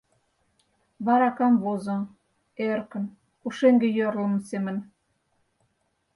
Вара камвозо — эркын, пушеҥге йӧрлмӧ семын.